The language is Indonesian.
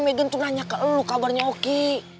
megan tuh nanya ke elu kabarnya oki